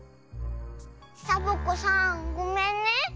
サボ子さんごめんね。